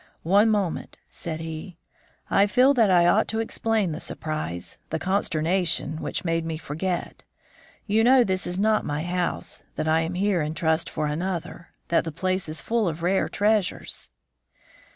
"One moment," said he. "I feel that I ought to explain the surprise, the consternation, which made me forget. You know this is not my house, that I am here in trust for another, that the place is full of rare treasures."